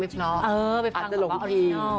อาจจะหลงพลี